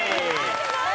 すごーい！